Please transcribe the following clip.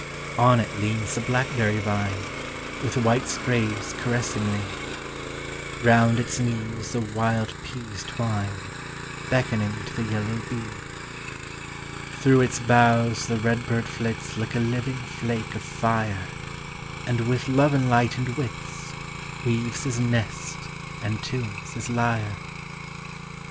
On it leans the blackberry vine, With white sprays caressingly; Round its knees the wild peas twine, Beckoning to the yellow bee; TREES: FLOWERS: PLANTS. 275 Through its boughs the red bird Hits Like a living flake of fire, And with love enlightened wits Weaves his nest and tunes his lyre.